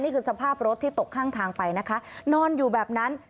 สภาพรถที่ตกข้างทางไปนะคะนอนอยู่แบบนั้น